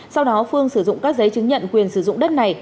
sau đó phương sử dụng các giấy chứng nhận quyền sử dụng đất này